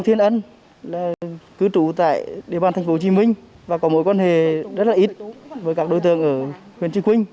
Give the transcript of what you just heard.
thành phố hồ chí minh và có mối quan hệ rất là ít với các đối tượng ở huyện trư quynh